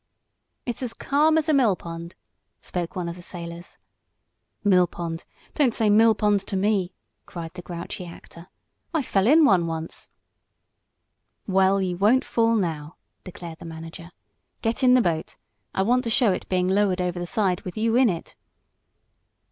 "It's as calm as a mill pond," spoke one of the sailors. "Mill pond! Don't say mill pond to me!" cried the grouchy actor. "I fell in one once." "Well, you won't fall now," declared the manager. "Get in the boat. I want to show it being lowered over the side with you in it."